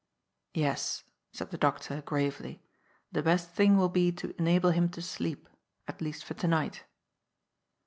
" Yes," said the doctor gravely. " The best thing will be to enable him to sleep, at least for to night."